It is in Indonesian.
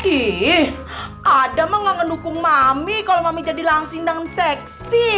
ih ada mah gak ngedukung mami kalau mami jadi langsing dan seksi